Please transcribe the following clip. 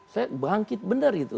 saya bangkit benar gitu